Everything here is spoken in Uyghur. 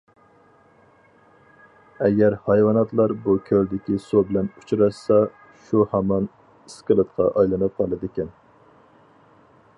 ئەگەر ھايۋاناتلار بۇ كۆلدىكى سۇ بىلەن ئۇچراشسا شۇ ھامان ئىسكىلىتقا ئايلىنىپ قالىدىكەن.